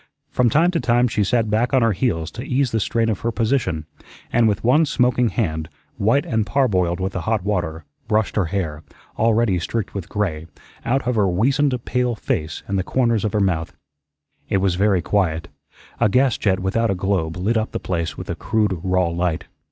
From time to time she sat back on her heels to ease the strain of her position, and with one smoking hand, white and parboiled with the hot water, brushed her hair, already streaked with gray, out of her weazened, pale face and the corners of her mouth. It was very quiet. A gas jet without a globe lit up the place with a crude, raw light.